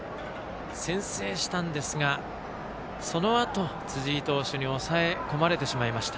先制したんですがそのあと、辻井投手に抑え込まれてしまいました。